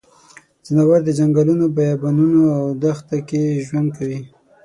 ځناور د ځنګلونو، بیابانونو او دښته کې ژوند کوي.